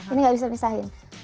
ini gak bisa disahkan